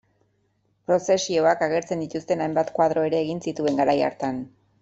Prozesioak agertzen dituzten hainbat koadro ere egin zituen garai hartan.